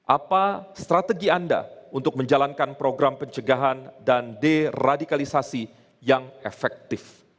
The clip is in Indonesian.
apa strategi anda untuk menjalankan program pencegahan dan deradikalisasi yang efektif